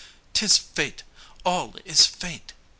''Tis Fate! all is Fate!'